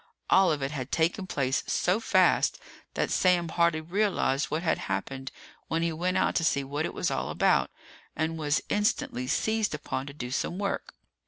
All of it had taken place so fast that Sam hardly realized what had happened when he went out to see what it was all about, and was instantly seized upon to do some work.